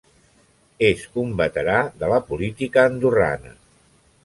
És un veterà de la política andorrana.